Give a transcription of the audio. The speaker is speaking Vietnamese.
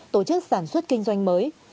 tổ chức sản xuất kinh doanh mới